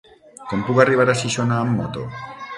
Com puc arribar a Xixona amb moto?